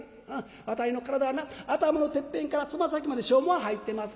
わたいの体はな頭のてっぺんから爪先まで証文入ってます。